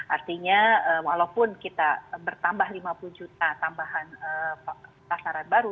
artinya walaupun kita bertambah lima puluh juta tambahan pasaran baru